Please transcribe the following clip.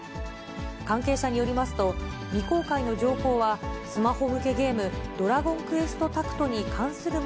関係者によりますと、未公開の情報はスマホ向けゲーム、ドラゴンクエストタクトに関する